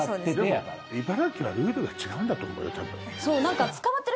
そう。何か。